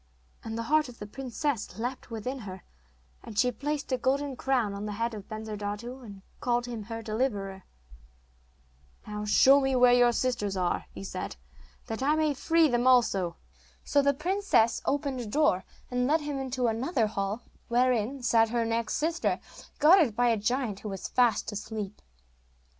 And the heart of the princess leapt within her, and she placed a golden crown on the head of Bensurdatu, and called him her deliverer. 'Now show me where your sisters are,' he said, 'that I may free them also.' So the princess opened a door, and led him into another hall, wherein sat her next sister, guarded by a giant who was fast asleep.